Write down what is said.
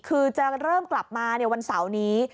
คือจะเริ่มกลับมาในวันเสาร์นี้